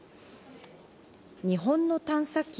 日本の探査機